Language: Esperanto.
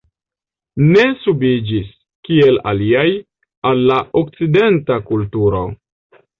Ne subiĝis, kiel aliaj, al la okcidenta kulturo.